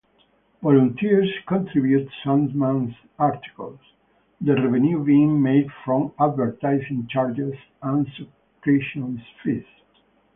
Volunteers contributed Sandman's articles, the revenue being made from advertising charges and subscription fees.